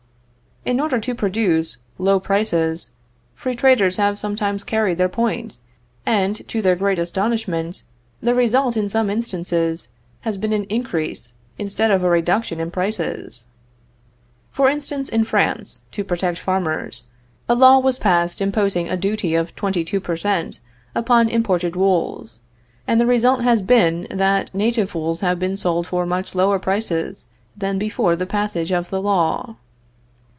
In order to produce low prices, free traders have sometimes carried their point, and, to their great astonishment, the result in some instances has been an increase instead of a reduction in prices. For instance, in France, to protect farmers, a law was passed imposing a duty of twenty two per cent. upon imported wools, and the result has been that native wools have been sold for much lower prices than before the passage of the law.